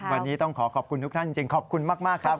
วันนี้ต้องขอขอบคุณทุกท่านจริงขอบคุณมากครับ